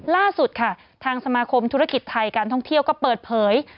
ล่าสุดค่ะทางสมาคมธุรกิจไทยการท่องเที่ยวก็เปิดเผย